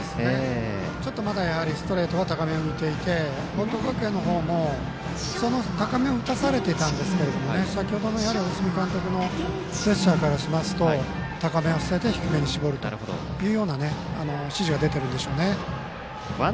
ちょっとまだストレートが高め浮いていて報徳学園のほうもその高めを打たされていたんですけど先ほどの大角監督のジェスチャーからしますと高めは捨てて、低めに絞るという指示が出てるんでしょうね。